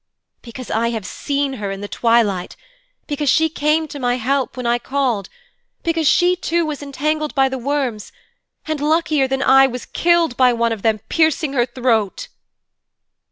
'Because I have seen her in the twilight because she came to my help when I called because she, too, was entangled by the worms, and, luckier than I, was killed by one of them piercing her throat.'